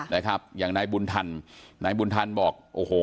ค่ะนะครับอย่างนายบุญธรรมนายบุญธรรมบอกโอ้โห